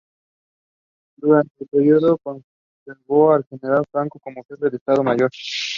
Durante ese periodo, conservó al general Franco como jefe de Estado Mayor.